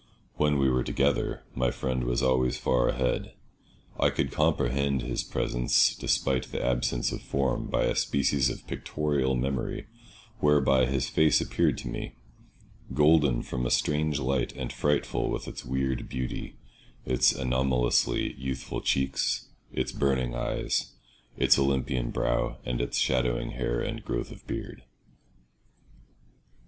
When we were together, my friend was always far ahead; I could comprehend his presence despite the absence of form by a species of pictorial memory whereby his face appeared to me, golden from a strange light and frightful with its weird beauty, its anomalously youthful cheeks, its burning eyes, its Olympian brow, and its shadowing hair and growth of beard.